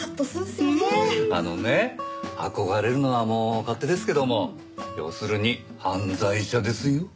あのね憧れるのはもう勝手ですけども要するに犯罪者ですよ。